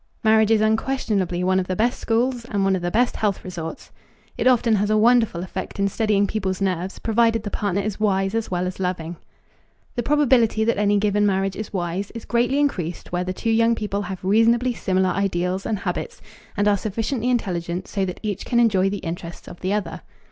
Marriage is unquestionably one of the best schools and one of the best health resorts. It often has a wonderful effect in steadying people's nerves, provided the partner is wise as well as loving. The probability that any given marriage is wise is greatly increased where the two young people have reasonably similar ideals and habits and are sufficiently intelligent so that each can enjoy the interests of the other.